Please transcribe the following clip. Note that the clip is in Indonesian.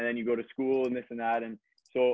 dan lo ke sekolah dan sebagainya